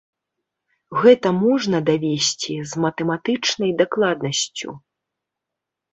Гэта можна давесці з матэматычнай дакладнасцю.